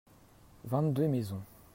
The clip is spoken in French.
vingt deux maisons.